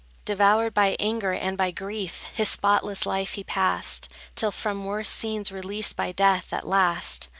Devoured by anger and by grief, His spotless life he passed, Till from worse scenes released by death, at last.